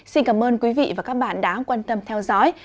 xin cảm ơn quý vị và các bạn đã quan tâm theo dõi